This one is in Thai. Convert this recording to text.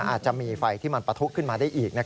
อาจจะมีไฟที่มันปะทุขึ้นมาได้อีก